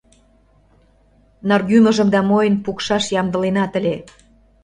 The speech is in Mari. Наргӱмыжым да мойн пукшаш ямдыленат ыле.